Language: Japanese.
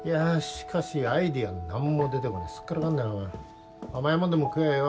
しかしアイデアが何も出てこねえすっからかんだおい甘いもんでも食やよ